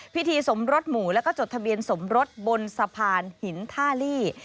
สมรสหมู่แล้วก็จดทะเบียนสมรสบนสะพานหินท่าลี่